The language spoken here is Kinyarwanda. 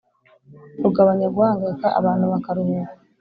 rugabanya guhangayika abantu bakaruhuka